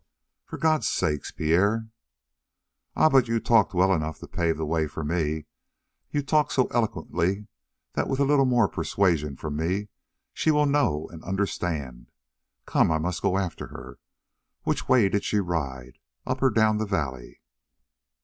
"For God's sake Pierre!" "Ah, but you talked well enough to pave the way for me. You talked so eloquently that with a little more persuasion from me she will know and understand. Come, I must be gone after her. Which way did she ride up or down the valley?"